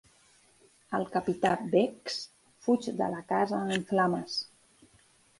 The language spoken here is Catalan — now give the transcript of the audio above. El capità Beggs fuig de la casa en flames.